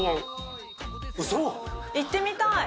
行ってみたい！